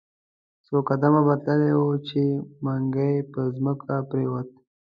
څو قدمه به تللی وو، چې منګی پر مځکه پریووت.